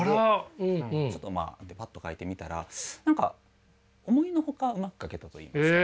ちょっとまあパッと描いてみたら何か思いの外うまく描けたといいますか。